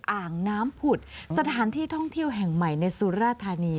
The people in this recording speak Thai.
อ่างน้ำผุดสถานที่ท่องเที่ยวแห่งใหม่ในสุราธานี